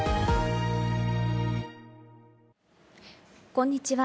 こんにちは。